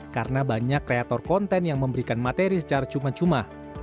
karena banyak kreator konten yang memberikan materi secara cuma cuma